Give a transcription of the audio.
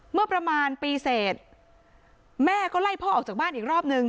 เมื่อประมาณปีเสร็จแม่ก็ไล่พ่อออกจากบ้านอีกรอบนึง